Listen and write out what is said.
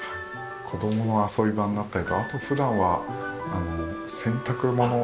子供の遊び場になったりとあと普段は洗濯物とか。